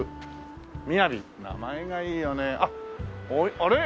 あれ？